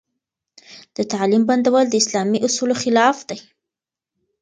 د تعليم بندول د اسلامي اصولو خلاف دي.